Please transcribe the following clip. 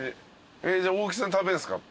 えっじゃあ大木さん食べんすか？